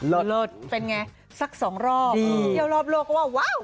เลิศเป็นไงสักสองรอบเที่ยวรอบโลกก็ว่าว้าว